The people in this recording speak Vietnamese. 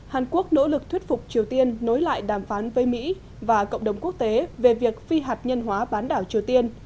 hàn quốc nỗ lực thuyết phục triều tiên nối lại đàm phán với mỹ và cộng đồng quốc tế về việc phi hạt nhân hóa bán đảo triều tiên